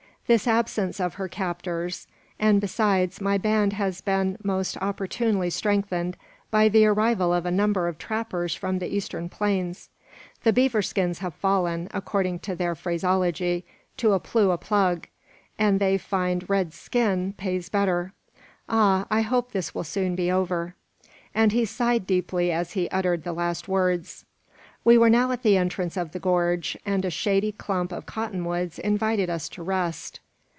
This absence of her captors; and, besides, my band has been most opportunely strengthened by the arrival of a number of trappers from the eastern plains. The beaver skins have fallen, according to their phraseology, to a `plew a plug,' and they find `red skin' pays better. Ah! I hope this will soon be over." And he sighed deeply as he uttered the last words. We were now at the entrance of the gorge, and a shady clump of cotton woods invited us to rest.